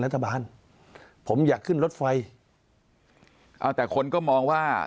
แต่คนก็มองว่า